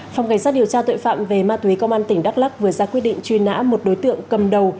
phòng cảnh sát điều tra tội phạm về ma túy công an tỉnh đắk lắc vừa ra quyết định truy nã một đối tượng cầm đầu